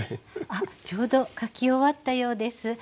あっちょうど書き終わったようです。